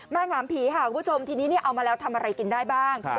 แม่งหามผีอ่ะทีนี้เอามาแล้วทำอะไรกินได้บ้าง